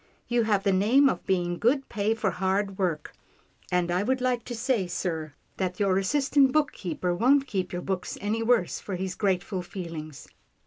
You have the name of being good pay for hard work, and I would like to say, sir, that your assistant bookkeeper won't keep your books any worse for his grateful feelings.